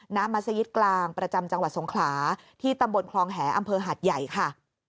มัศยิตกลางประจำจังหวัดสงขลาที่ตำบลคลองแหอำเภอหาดใหญ่ค่ะ